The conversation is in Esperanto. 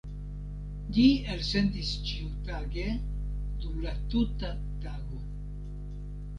Ĝi elsendis ĉiutage, dum la tuta tago.